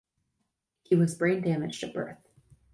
He was brain-damaged at birth.